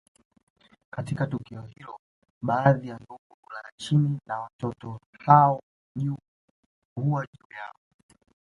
Katika tukio hilo baadhi ya ndugu hulala chini na watoto hao huwa juu yao